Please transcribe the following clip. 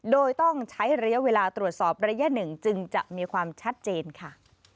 โดยต้องใช้ระยะเวลาตรวจสอบระยะหนึ่งจึงจะมีความชัดเจนค่ะ